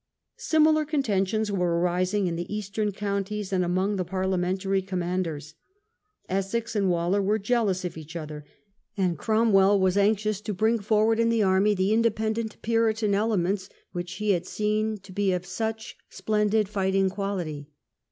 Similar contentions were arising in the eastern counties and among the Parliamentary commanders. Essex and Waller were jealous of each other, and Cromwell was anxious to bring forward in the army the Independent Puritan elements which he had seen to be of such BALANCED SUCCESS. 49 splendid fighting quality.